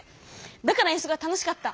だから遠足は楽しかった！